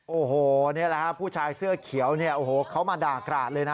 โอ้โหนี่แหละครับผู้ชายเสื้อเขียวเนี่ยโอ้โหเขามาด่ากราดเลยนะ